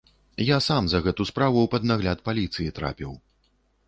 Я сам за гэту справу пад нагляд паліцыі трапіў.